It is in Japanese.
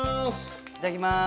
いただきます。